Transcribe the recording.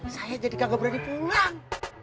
saya jadi kagak berani pulang